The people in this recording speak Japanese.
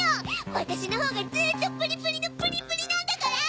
わたしのほうがずっとプリプリのプリプリなんだから！